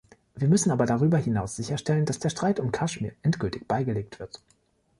Wir müssen aber darüber hinaus sicherstellen, dass der Streit um Kaschmir endgültig beigelegt wird.